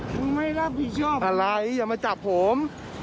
ไม่รับผิดชอบอะไรอย่ามาจับผม